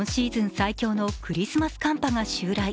最強のクリスマス寒波が襲来。